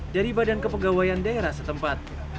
dari badan kepegawaian daerah setempat